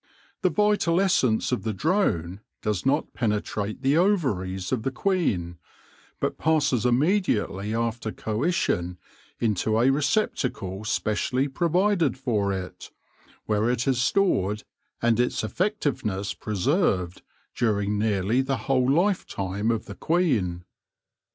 The vital essence of the drone does not penetrate the ovaries of the queen, but passes immediately after coition into a receptacle specially provided for it, where it is stored, and its effective ness preserved, during nearly the whole lifetime of the queen.